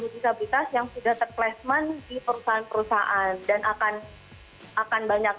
dua ratus delapan puluh disabilitas yang sudah terplacement di perusahaan perusahaan dan akan akan banyak